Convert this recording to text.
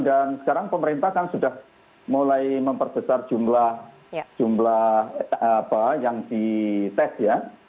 dan sekarang pemerintah kan sudah mulai memperbesar jumlah yang dites ya